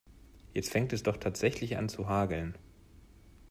Jetzt fängt es doch tatsächlich an zu hageln.